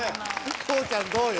こうちゃんどうよ？